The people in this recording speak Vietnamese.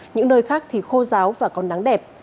những nơi khác thì khô giáo và có nắng đẹp